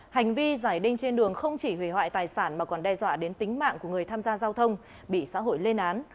hành vi giải đinh trên đường không chỉ hủy hoại tài sản mà còn đe dọa đến tính mạng của người tham gia giao thông bị xã hội lên án